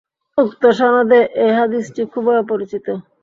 উক্ত সনদে এ হাদীসটি খুবই অপরিচিত।